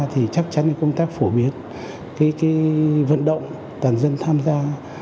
thì chắc chắn công tác phổ biến vận động toàn dân tham gia